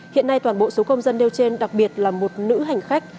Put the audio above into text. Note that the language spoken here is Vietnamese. hiện nay toàn bộ số công dân nêu trên đặc biệt là một nữ hành khách